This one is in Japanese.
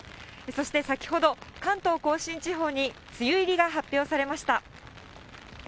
そして先ほど、関東甲信地方に梅雨入りが発表されました。